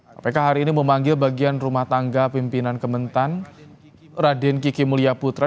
kpk hari ini memanggil bagian rumah tangga pimpinan kementan raden kiki mulia putra